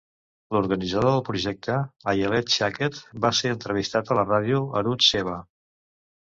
L'organitzador del projecte, Ayelet Shaked va ser entrevistat a la ràdio Arutz Sheva.